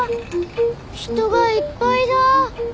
人がいっぱいだ！